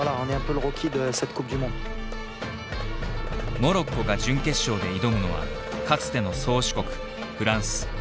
モロッコが準決勝で挑むのはかつての宗主国フランス。